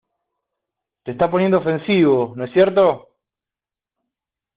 Te estas poniendo ofensivo, ¿ no es cierto?